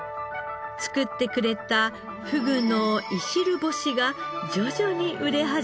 作ってくれたふぐのいしる干しが徐々に売れ始めたのです。